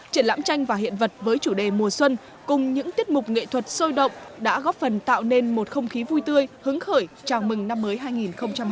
triển lãm tranh và hiện vật với chủ đề mùa xuân cùng những tiết mục nghệ thuật sôi động đã góp phần tạo nên một không khí vui tươi hứng khởi chào mừng năm mới hai nghìn hai mươi